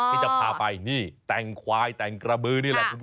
นี่จะพาไปแต่งควายแต่งกระบื้อนี่แหละ